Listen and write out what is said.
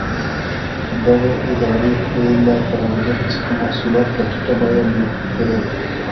دغې ادارې به له کروندګرو څخه محصولات په ټیټه بیه پېرل.